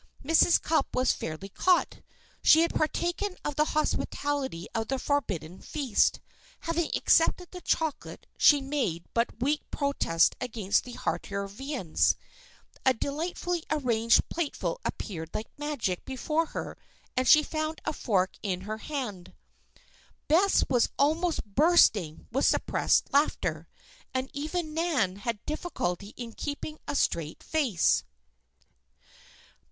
Mrs. Cupp was fairly caught. She had partaken of the hospitality of the forbidden feast. Having accepted the chocolate she made but weak protest against the heartier viands. A delightfully arranged plateful appeared like magic before her and she found a fork in her hand. Bess was almost bursting with suppressed laughter, and even Nan had difficulty in keeping a straight face.